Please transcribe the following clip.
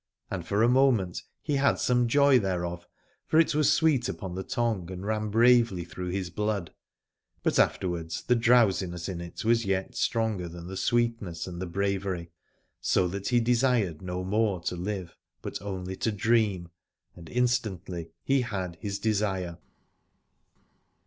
And for a moment he had some joy thereof, for it was sweet upon the tongue and ran bravely through his blood : but afterwards the drowsiness in it was yet stronger than the sweetness and the bravery, so that he desired no more to live but only to dream, and instantly he had his desire.